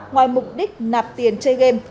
ngoài mục đích nạp tiền chơi game